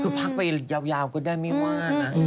คือพักไปยาวก็ได้ไม่ว่านะ